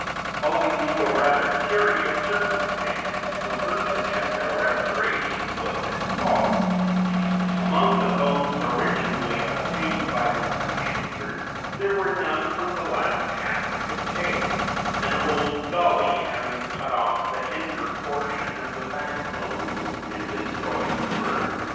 Owing to a rather curious circumstance the first attempt at a restoration was at fault; among the bones originally obtained by Mr. Schuchert there were none from the last half of the tail, an old gully having cut off the hinder portion of the backbone and destroyed the vertebræ.